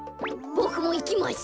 ボクもいきます。